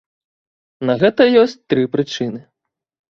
На гэта ёсць тры прычыны.